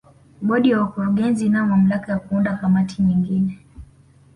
Bodi ya wakurugenzi inayo mamlaka ya kuunda kamati nyingine